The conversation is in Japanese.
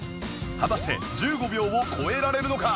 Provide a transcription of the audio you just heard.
果たして１５秒を超えられるのか？